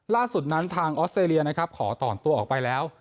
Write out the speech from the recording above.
ล่าสุดนั้นทางออสเตรียขอต่อนตัวออกไปแล้ว